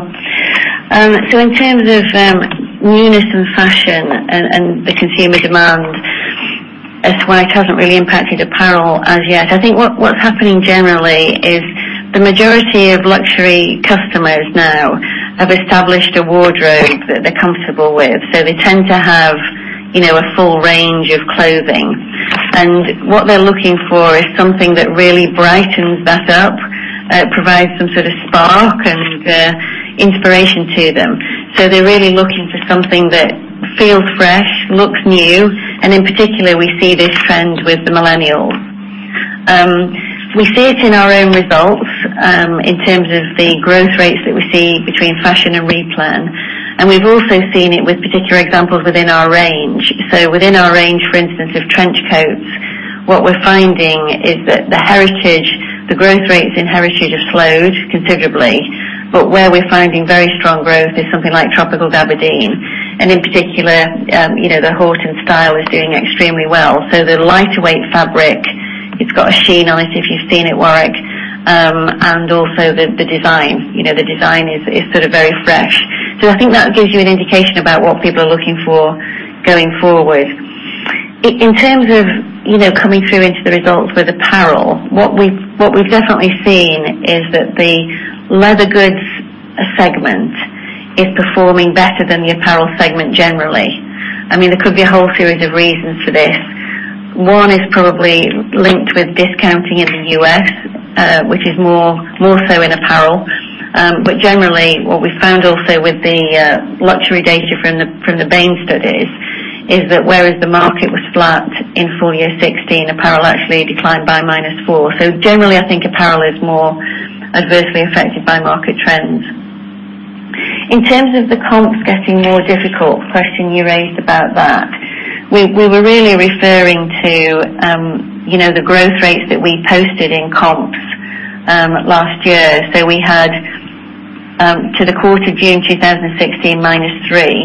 In terms of newness in fashion and the consumer demand, as to why it has not really impacted apparel as yet. I think what is happening generally is the majority of luxury customers now have established a wardrobe that they are comfortable with, so they tend to have a full range of clothing. What they are looking for is something that really brightens that up, provides some sort of spark and inspiration to them. They are really looking for something that feels fresh, looks new, and in particular, we see this trend with the millennials. We see it in our own results in terms of the growth rates that we see between fashion and replenishment. We have also seen it with particular examples within our range. Within our range, for instance, of trench coats, what we are finding is that the growth rates in Heritage have slowed considerably. Where we're finding very strong growth is something like Tropical Gabardine. In particular, the Horton style is doing extremely well. The lighter weight fabric, it's got a sheen on it, if you've seen it, Warwick, and also the design. The design is very fresh. I think that gives you an indication about what people are looking for going forward. In terms of coming through into the results with apparel, what we've definitely seen is that the leather goods segment is performing better than the apparel segment generally. There could be a whole series of reasons for this. One is probably linked with discounting in the U.S., which is more so in apparel. Generally, what we found also with the luxury data from the Bain studies is that whereas the market was flat in full year 2016, apparel actually declined by -4%. Generally, I think apparel is more adversely affected by market trends. In terms of the comps getting more difficult, question you raised about that. We were really referring to the growth rates that we posted in comps last year. We had to the quarter June 2016, -3%.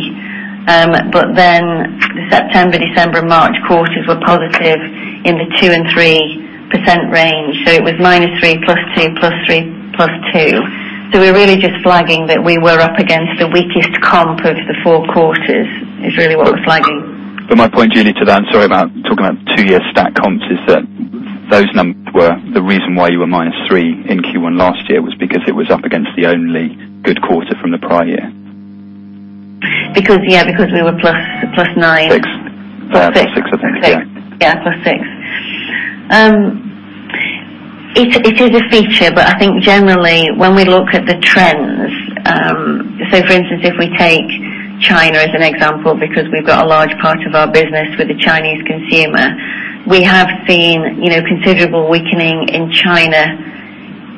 The September, December, March quarters were positive in the 2% and 3% range. It was -3% +2% +3% +2%. We're really just flagging that we were up against the weakest comp of the four quarters, is really what we're flagging. My point, Julie, to that, sorry about talking about two-year stack comps, is that those numbers were the reason why you were -3% in Q1 last year was because it was up against the only good quarter from the prior year. Because we were +9%. Six. Plus six. Six, I think. Yeah. Yeah. Plus six. It is a feature, but I think generally when we look at the trends, for instance if we take China as an example, because we've got a large part of our business with the Chinese consumer, we have seen considerable weakening in China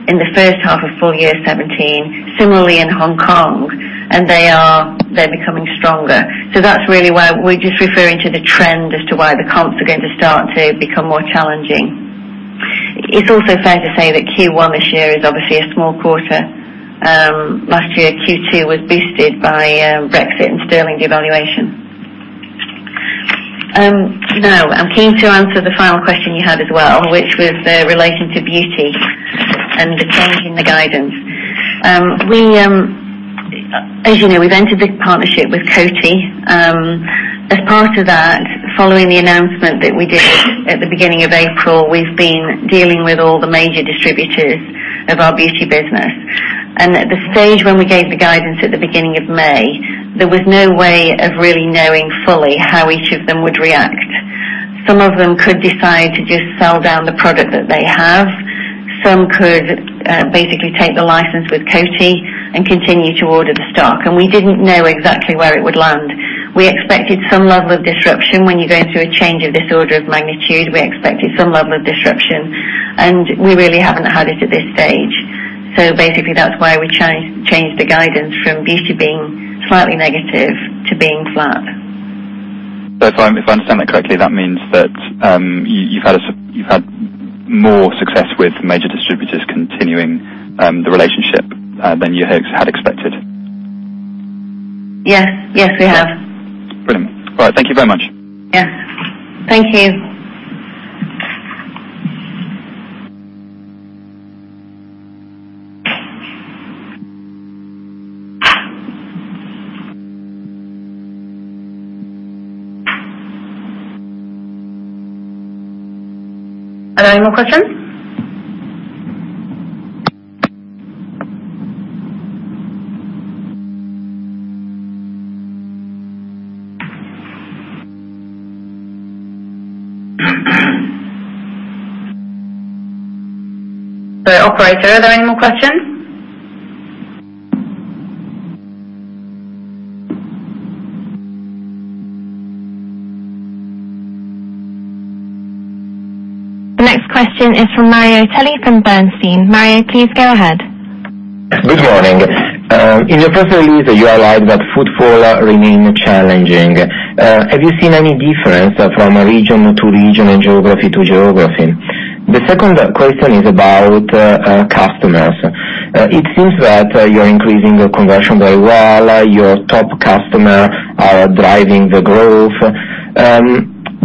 in the first half of full year 2017, similarly in Hong Kong, and they're becoming stronger. That's really why we're just referring to the trend as to why the comps are going to start to become more challenging. It's also fair to say that Q1 this year is obviously a small quarter. Last year, Q2 was boosted by Brexit and sterling devaluation. I'm keen to answer the final question you had as well, which was relating to beauty and the change in the guidance. As you know, we've entered this partnership with Coty. As part of that, following the announcement that we did at the beginning of April, we've been dealing with all the major distributors of our beauty business. At the stage when we gave the guidance at the beginning of May, there was no way of really knowing fully how each of them would react. Some of them could decide to just sell down the product that they have. Some could basically take the license with Coty and continue to order the stock. We didn't know exactly where it would land. We expected some level of disruption. When you're going through a change of this order of magnitude, we expected some level of disruption, and we really haven't had it at this stage. Basically that's why we changed the guidance from beauty being slightly negative to being flat. If I understand that correctly, that means that you've had more success with major distributors continuing the relationship than you had expected. Yes. Yes, we have. Brilliant. All right. Thank you very much. Yeah. Thank you. Are there any more questions? Operator, are there any more questions? The next question is from Mario Ortelli from Bernstein. Mario, please go ahead. Good morning. In the press release, you are right that footfall remain challenging. Have you seen any difference from region to region and geography to geography? The second question is about customers. It seems that you're increasing your conversion very well. Your top customer are driving the growth.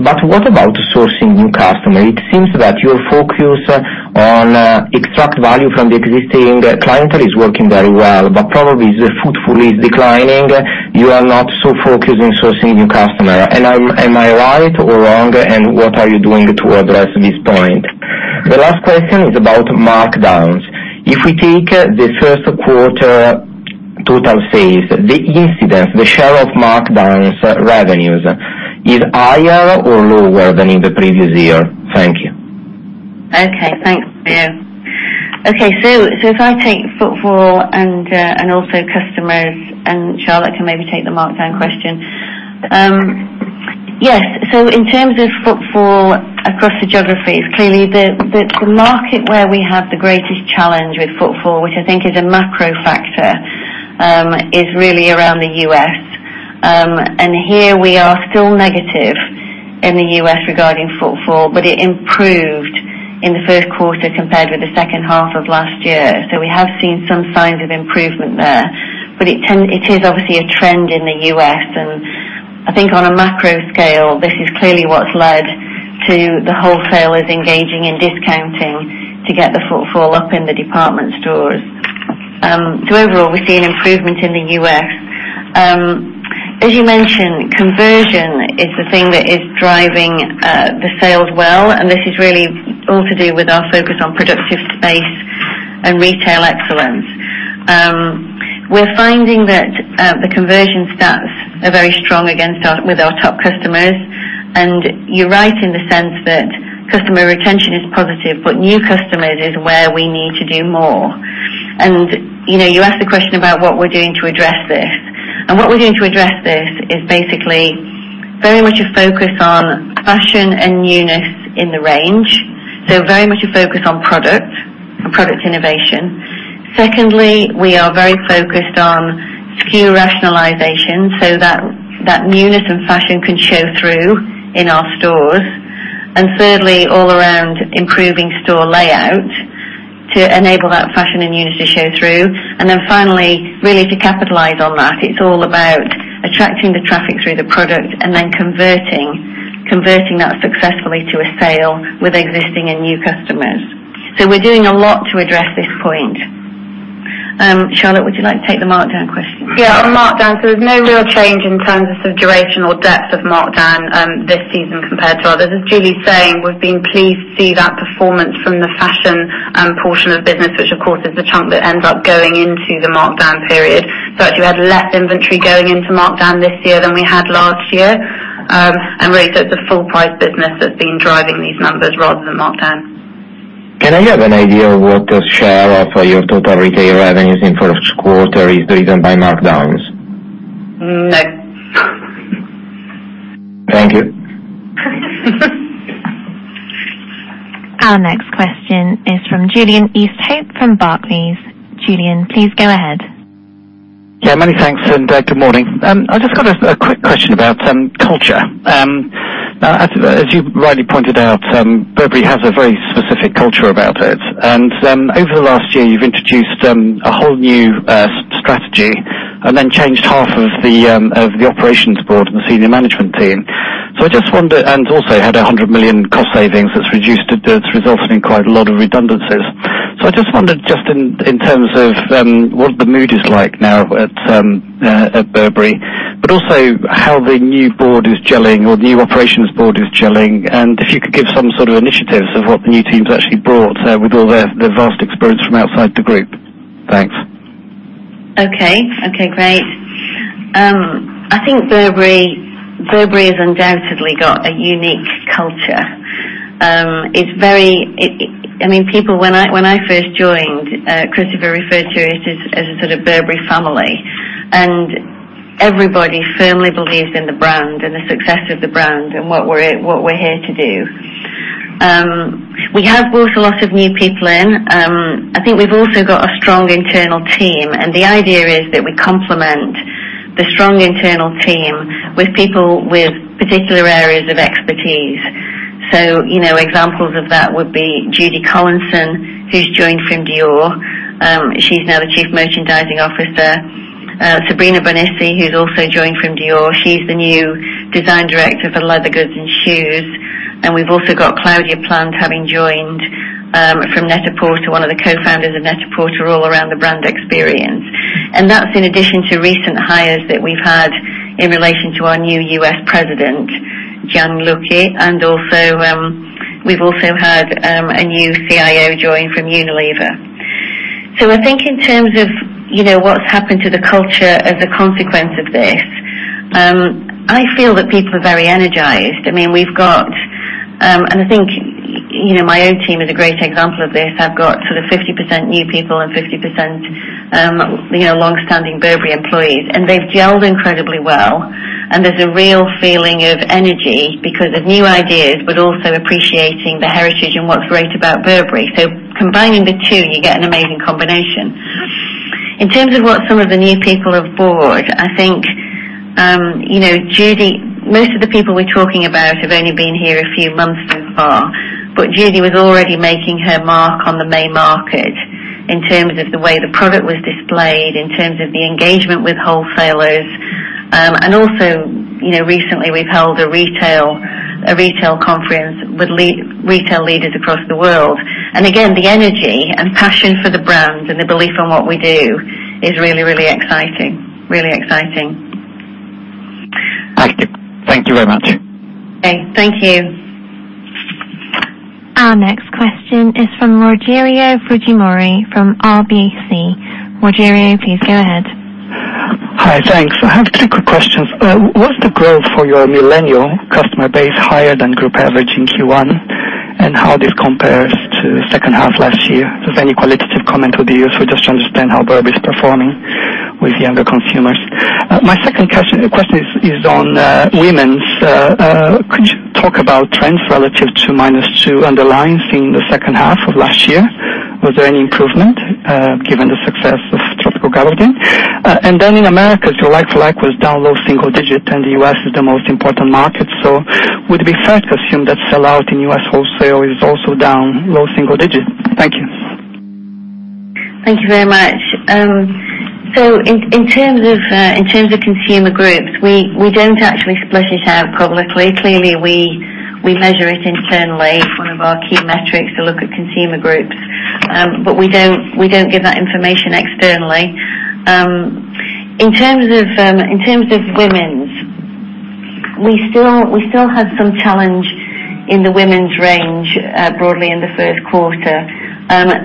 What about sourcing new customer? It seems that your focus on extract value from the existing clientele is working very well, probably the footfall is declining. You are not so focused in sourcing new customer. Am I right or wrong, and what are you doing to address this point? The last question is about markdowns. If we take the first quarter total sales, the incidence, the share of markdowns revenues is higher or lower than in the previous year. Thank you. Okay. Thanks, Mario. If I take footfall and also customers, Charlotte can maybe take the markdown question. Yes. In terms of footfall across the geographies, clearly the market where we have the greatest challenge with footfall, which I think is a macro factor, is really around the U.S. Here we are still negative in the U.S. regarding footfall, but it improved in the first quarter compared with the second half of last year. We have seen some signs of improvement there. It is obviously a trend in the U.S., and I think on a macro scale, this is clearly what's led to the wholesalers engaging in discounting to get the footfall up in the department stores. Overall, we see an improvement in the U.S. As you mentioned, conversion is the thing that is driving the sales well, and this is really all to do with our focus on productive space and retail excellence. We're finding that the conversion stats are very strong with our top customers, and you're right in the sense that customer retention is positive, but new customers is where we need to do more. You asked the question about what we're doing to address this, and what we're doing to address this is basically very much a focus on fashion and newness in the range. Very much a focus on product and product innovation. Secondly, we are very focused on SKU rationalization so that newness and fashion can show through in our stores. Thirdly, all around improving store layout to enable that fashion and newness to show through. Finally, really to capitalize on that, it is all about attracting the traffic through the product and then converting that successfully to a sale with existing and new customers. We are doing a lot to address this point. Charlotte, would you like to take the markdown question? On markdown, there is no real change in terms of duration or depth of markdown this season compared to others. As Julie's saying, we have been pleased to see that performance from the fashion portion of the business, which, of course, is the chunk that ends up going into the markdown period. Actually we had less inventory going into markdown this year than we had last year. It is the full-price business that has been driving these numbers rather than markdown. Can I have an idea of what the share of your total retail revenues in first quarter is driven by markdowns? No. Thank you. Our next question is from Julian Easthope from Barclays. Julian, please go ahead. Yeah, many thanks, and good morning. I've just got a quick question about culture. As you've rightly pointed out, Burberry has a very specific culture about it. Over the last year, you've introduced a whole new strategy, then changed half of the operations board and the senior management team. Also had 100 million cost savings that's resulted in quite a lot of redundancies. I just wondered, just in terms of what the mood is like now at Burberry, but also how the new board is gelling or the new operations board is gelling, and if you could give some sort of initiatives of what the new team's actually brought with all their vast experience from outside the group. Thanks. Okay. Okay, great. I think Burberry has undoubtedly got a unique culture. When I first joined, Christopher referred to it as a sort of Burberry family, and everybody firmly believes in the brand and the success of the brand and what we're here to do. We have brought a lot of new people in. I think we've also got a strong internal team, and the idea is that we complement the strong internal team with people with particular areas of expertise. Examples of that would be Judy Collinson, who's joined from Dior. She's now the Chief Merchandising Officer. Sabrina Bonesi, who's also joined from Dior. She's the new Design Director for leather goods and shoes. We've also got Claudia Plant having joined from NET-A-PORTER, one of the co-founders of NET-A-PORTER, all around the brand experience. That's in addition to recent hires that we've had in relation to our new U.S. president, Gian Luca. We've also had a new CIO join from Unilever. I think in terms of what's happened to the culture as a consequence of this, I feel that people are very energized. I think my own team is a great example of this. I've got sort of 50% new people and 50% longstanding Burberry employees, and they've gelled incredibly well, and there's a real feeling of energy because of new ideas, but also appreciating the heritage and what's great about Burberry. Combining the two, you get an amazing combination. In terms of what some of the new people have brought, I think most of the people we're talking about have only been here a few months so far, but Judy was already making her mark on the May market in terms of the way the product was displayed, in terms of the engagement with wholesalers. Also recently we've held a retail conference with retail leaders across the world. Again, the energy and passion for the brand and the belief in what we do is really, really exciting. Thank you. Thank you very much. Okay. Thank you. Our next question is from Rogério Fujimori from RBC. Rogério, please go ahead. Hi, thanks. I have two quick questions. Was the growth for your millennial customer base higher than group average in Q1, and how this compares to second half last year? If any qualitative comment would be useful just to understand how Burberry's performing with younger consumers. My second question is on women's. Could you talk about trends relative to -2 underlying seen in the second half of last year? Was there any improvement, given the success of Tropical Gabardine? In Americas, your LFL was down low single digit, and the U.S. is the most important market. Would it be fair to assume that sell-out in U.S. wholesale is also down low single digit? Thank you. Thank you very much. In terms of consumer groups, we don't actually split it out publicly. Clearly, we measure it internally, one of our key metrics to look at consumer groups. We don't give that information externally. In terms of women's. We still had some challenge in the women's range broadly in the first quarter.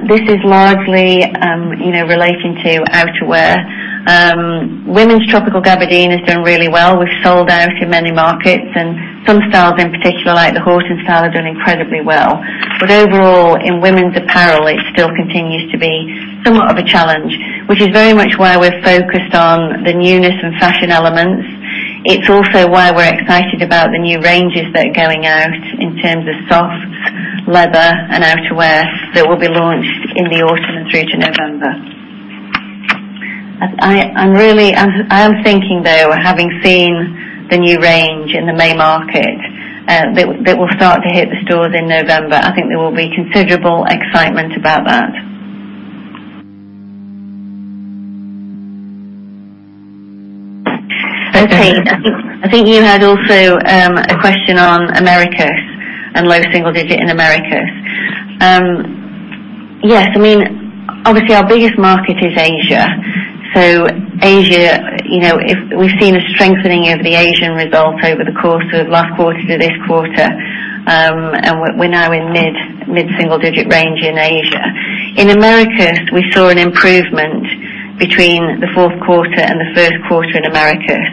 This is largely relating to outerwear. Women's Tropical Gabardine has done really well. We've sold out in many markets, and some styles in particular, like the Horton style, have done incredibly well. Overall, in women's apparel, it still continues to be somewhat of a challenge, which is very much why we're focused on the newness and fashion elements. It's also why we're excited about the new ranges that are going out in terms of soft leather and outerwear that will be launched in the autumn through to November. I am thinking though, having seen the new range in the May market, that will start to hit the stores in November. I think there will be considerable excitement about that. Okay. I think you had also a question on Americas and low single digit in Americas. Yes, obviously, our biggest market is Asia. Asia, we've seen a strengthening of the Asian result over the course of last quarter to this quarter. We're now in mid-single digit range in Asia. In Americas, we saw an improvement between the fourth quarter and the first quarter in Americas,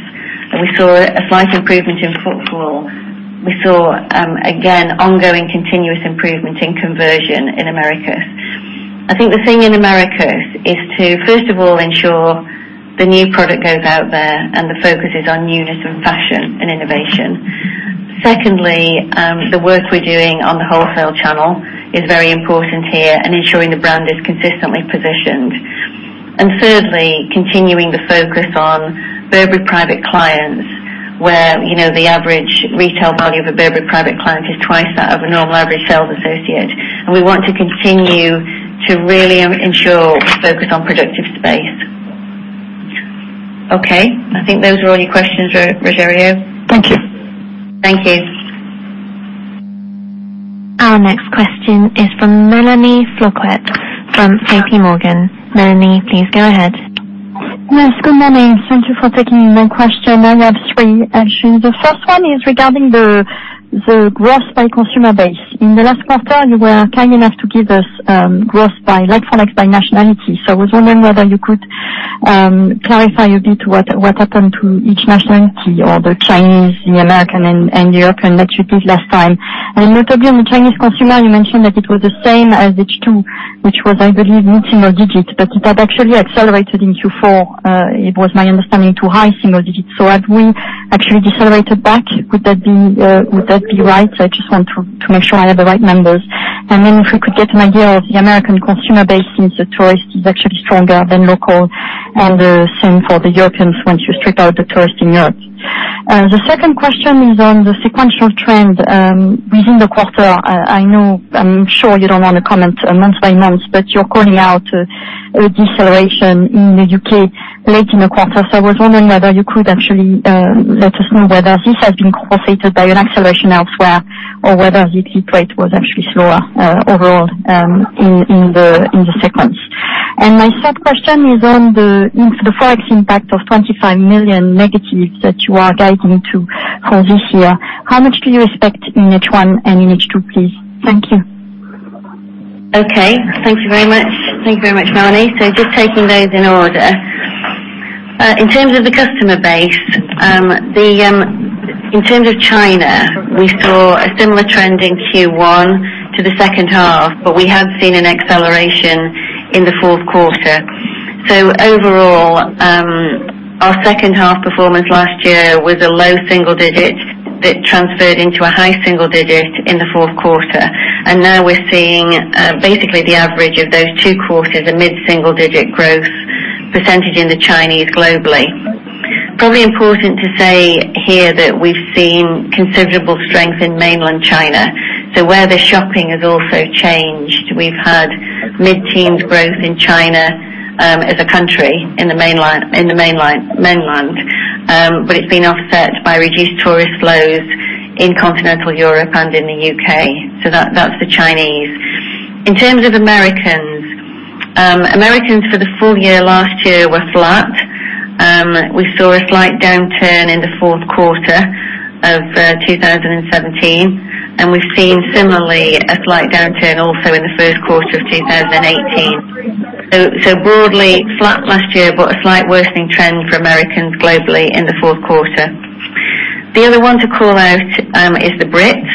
and we saw a slight improvement in footfall. We saw, again, ongoing continuous improvement in conversion in Americas. I think the thing in Americas is to, first of all, ensure the new product goes out there, and the focus is on newness and fashion and innovation. Secondly, the work we're doing on the wholesale channel is very important here in ensuring the brand is consistently positioned. Thirdly, continuing the focus on Burberry Private Clients, where the average retail value of a Burberry Private Client is twice that of a normal Burberry sales associate. We want to continue to really ensure focus on productive space. Okay. I think those were all your questions, Rogerio. Thank you. Thank you. Our next question is from Mélanie Flouquet from JP Morgan. Melanie, please go ahead. Yes, good morning. Thank you for taking my question. I have three actually. The first one is regarding the growth by consumer base. In the last quarter, you were kind enough to give us growth by LFL by nationality. I was wondering whether you could clarify a bit what happened to each nationality or the Chinese, the American, and European that you did last time. Notably on the Chinese consumer, you mentioned that it was the same as H2, which was, I believe, mid-single digit. It had actually accelerated in Q4. It was my understanding to high single digits. Have we actually decelerated back? Would that be right? I just want to make sure I have the right numbers. If we could get an idea of the American consumer base since the tourist is actually stronger than local, and the same for the Europeans once you strip out the tourists in Europe. The second question is on the sequential trend within the quarter. I'm sure you don't want to comment month by month, but you're calling out a deceleration in the U.K. late in the quarter. I was wondering whether you could actually let us know whether this has been compensated by an acceleration elsewhere, or whether the peak rate was actually slower overall in the sequence. My third question is on the Forex impact of 25 million negative that you are guiding to for this year. How much do you expect in H1 and in H2, please? Thank you. Okay. Thank you very much, Mélanie. Just taking those in order. In terms of the customer base, in terms of China, we saw a similar trend in Q1 to the second half, but we have seen an acceleration in Q4. Overall, our second half performance last year was a low single digit that transferred into a high single digit in Q4. Now we're seeing basically the average of those two quarters, a mid-single digit growth percentage in the Chinese globally. Probably important to say here that we've seen considerable strength in mainland China. Where they're shopping has also changed. We've had mid-teens growth in China as a country in the mainland. It's been offset by reduced tourist flows in continental Europe and in the U.K. That's the Chinese. In terms of Americans. Americans for the full year last year were flat. We saw a slight downturn in Q4 2017, and we've seen similarly a slight downturn also in Q1 2018. Broadly flat last year, but a slight worsening trend for Americans globally in Q4. The other one to call out is the Brits.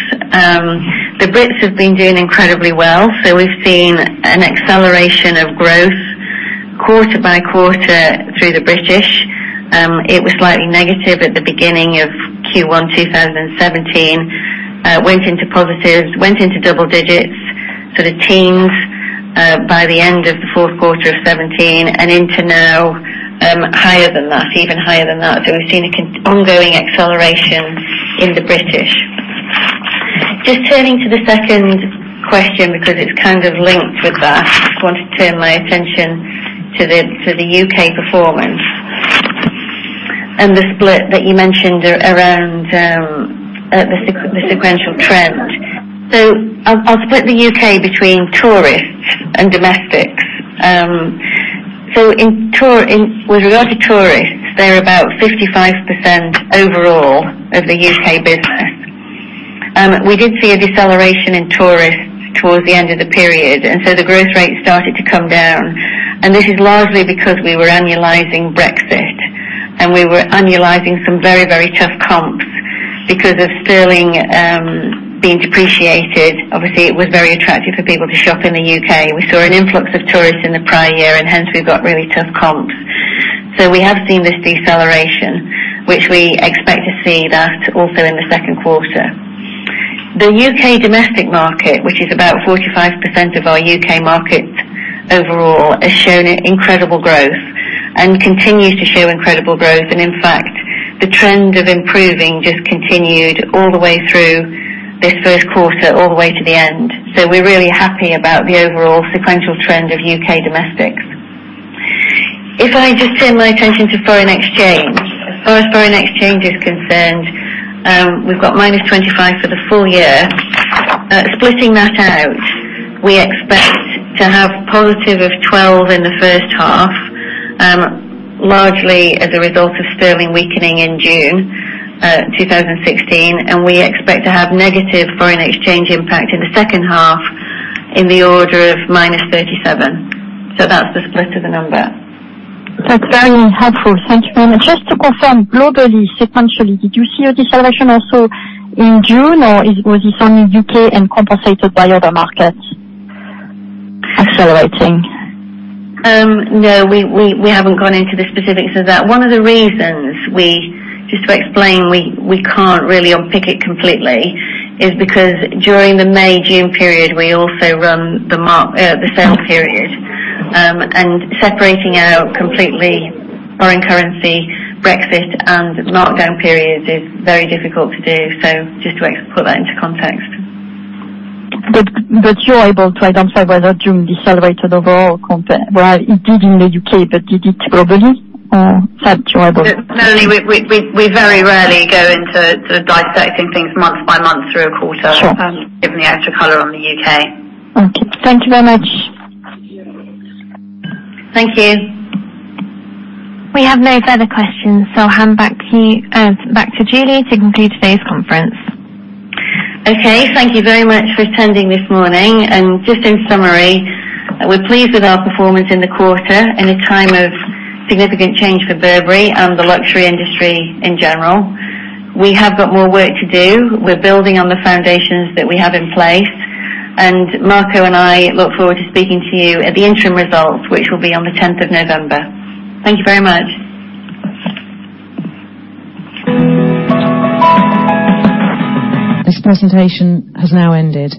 The Brits have been doing incredibly well. We've seen an acceleration of growth quarter by quarter through the British. It was slightly negative at the beginning of Q1 2017. Went into positives, went into double digits, so the teens by the end of Q4 2017, and into now higher than that, even higher than that. We've seen an ongoing acceleration in the British. Just turning to the second question, because it's kind of linked with that. I just want to turn my attention to the UK performance and the split that you mentioned around the sequential trend. I'll split the UK between tourists and domestics. With regard to tourists, they're about 55% overall of the UK business. We did see a deceleration in tourists towards the end of the period, the growth rate started to come down. This is largely because we were annualizing Brexit, we were annualizing some very, very tough comps because of sterling being depreciated. Obviously, it was very attractive for people to shop in the UK. We saw an influx of tourists in the prior year, hence, we've got really tough comps. We have seen this deceleration, which we expect to see that also in the second quarter. The UK domestic market, which is about 45% of our UK market overall, has shown incredible growth and continues to show incredible growth. In fact, the trend of improving just continued all the way through this first quarter, all the way to the end. We're really happy about the overall sequential trend of UK domestics. If I just turn my attention to foreign exchange. As far as foreign exchange is concerned, we've got -25 million for the full year. Splitting that out, we expect to have positive 12 million in the first half, largely as a result of sterling weakening in June 2016, we expect to have negative foreign exchange impact in the second half in the order of -37 million. That's the split of the number. That's very helpful. Thank you. Just to confirm, globally, sequentially, did you see a deceleration also in June, or was this only UK and compensated by other markets accelerating? No, we haven't gone into the specifics of that. One of the reasons we, just to explain, we can't really unpick it completely is because during the May, June period, we also run the sales period. Separating out completely foreign currency, Brexit, and markdown period is very difficult to do. Just to put that into context. You're able to identify whether June decelerated overall compared Well, it did in the U.K., but did it globally? No. We very rarely go into sort of dissecting things month by month through a quarter. Sure. Given the extra color on the U.K. Okay. Thank you very much. Thank you. We have no further questions, I'll hand back to Julie to conclude today's conference. Okay. Thank you very much for attending this morning. Just in summary, we're pleased with our performance in the quarter in a time of significant change for Burberry and the luxury industry in general. We have got more work to do. We're building on the foundations that we have in place. Marco and I look forward to speaking to you at the interim results, which will be on the 10th of November. Thank you very much. This presentation has now ended.